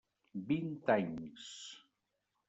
Vint anys.